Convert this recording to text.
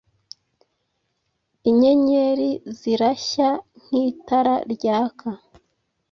Inyenyeri zirashya nk'itara ryaka